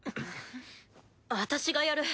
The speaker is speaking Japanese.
私がやる！